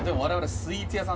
スイーツ屋さん。